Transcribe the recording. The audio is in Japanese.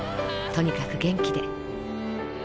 とにかく元気で。